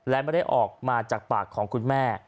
และไม่ได้ออกมาจากปากของคุณแม่